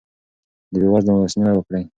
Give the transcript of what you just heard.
د بې وزلو لاسنیوی وکړئ.